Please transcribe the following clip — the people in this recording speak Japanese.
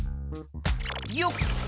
よっ！